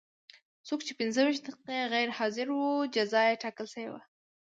څوک چې پنځه ویشت دقیقې غیر حاضر و جزا یې ټاکل شوې وه.